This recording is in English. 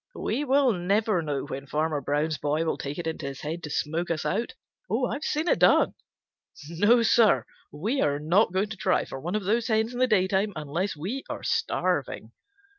We will never know when Farmer Brown's boy will take it into his head to smoke us out. I've seen it done. No, Sir, we are not going to try for one of those hens in the daytime unless we are starving."